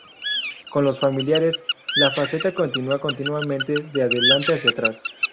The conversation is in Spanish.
Con los familiares, la faceta continúa continuamente de adelante hacia atrás.